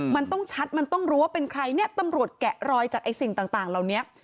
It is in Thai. มันต้องชัดมันต้องรู้ว่าเป็นใครเนี่ยตำรวจแกะรอยจากไอ้สิ่งต่างเหล่านี้